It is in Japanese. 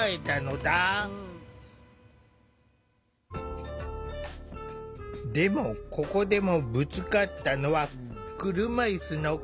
でもここでもぶつかったのは車いすの壁だった。